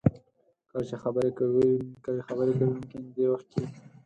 کله چې خبرې کوونکی خبرې کوي ممکن دې وخت کې